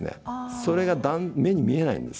それは目に見えないんです。